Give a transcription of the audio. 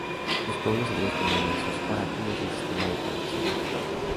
Los pueblos antiguos tenían en sus oráculos el sistema de predicción del futuro.